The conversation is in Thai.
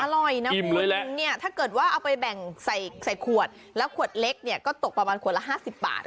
อร่อยนะคุณอิ่มเลยแหละเนี้ยถ้าเกิดว่าเอาไปแบ่งใส่ใส่ขวดแล้วขวดเล็กเนี้ยก็ตกประมาณขวดละห้าสิบบาท